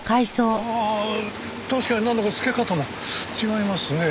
ああ確かになんだか透け方も違いますね。